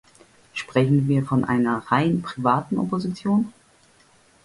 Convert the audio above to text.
Sprechen wir von einer rein privaten Opposition?